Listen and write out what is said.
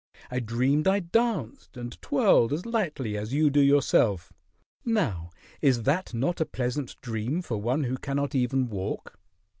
I dreamed I danced and twirled as lightly as you do yourself. Now is that not a pleasant dream for one who cannot even walk?"